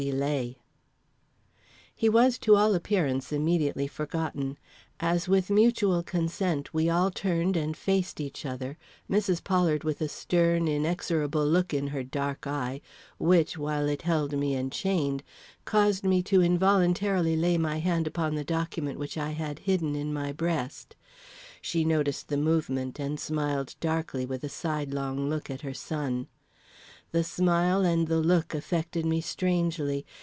MACBETH. He was to all appearance immediately forgotten. As with mutual consent we all turned and faced each other, Mrs. Pollard with a stern, inexorable look in her dark eye, which, while it held me enchained, caused me to involuntarily lay my hand upon the document which I had hidden in my breast She noticed the movement, and smiled darkly with a sidelong look at her son. The smile and the look affected me strangely.